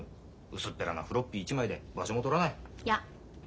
薄っぺらなフロッピー１枚で場所も取らない。